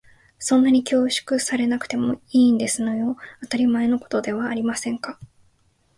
そんなに恐縮されなくてもいいんですのよ。当たり前のことではありませんか。